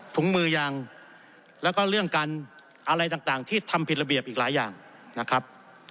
ถุงมือยางแล้วก็เรื่องการอะไรต่างที่ทำผิดระเบียบอีกหลายอย่างนะครับ